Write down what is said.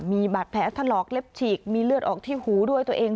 มีบาดแผลถลอกเล็บฉีกมีเลือดออกที่หูด้วยตัวเอง